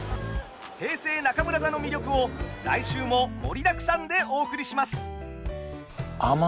平成中村座の魅力を来週も盛りだくさんでお送りします。